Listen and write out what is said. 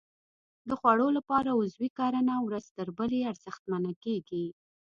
د خوړو لپاره عضوي کرنه ورځ تر بلې ارزښتمنه کېږي.